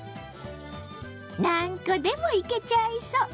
何個でもいけちゃいそう！